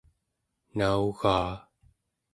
naugaa